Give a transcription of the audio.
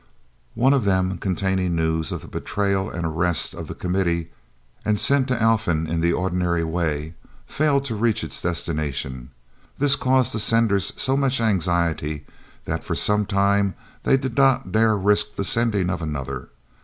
One of them, containing news of the betrayal and arrest of the Committee, and sent to Alphen in the ordinary way, failed to reach its destination. This caused the senders so much anxiety that for some time they did not dare risk the sending of another.